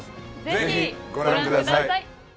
ぜひご覧ください。